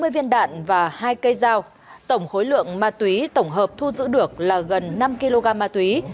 sáu mươi viên đạn và hai cây dao tổng khối lượng ma túy tổng hợp thu giữ được là gần năm kg ma túy